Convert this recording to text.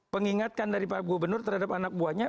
pengingatkan dari pak gubernur terhadap anak buahnya